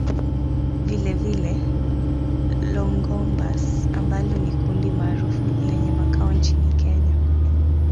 Vilevile Longombas ambalo ni kundi maarufu lenye makao nchini Kenya